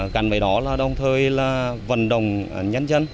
cắn với đó là đồng thời là vận động nhân dân